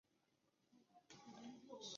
数码货币是电子货币形式的。